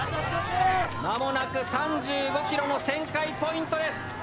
間もなく３５ｋｍの旋回ポイントです。